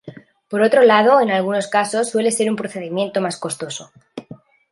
Por otro lado, en algunos casos suele ser un procedimiento más costoso.